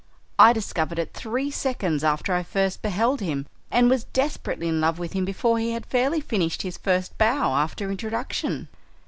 "I discovered it three seconds after I first beheld him, and was desperately in love with him before he had fairly finished his first bow after introduction."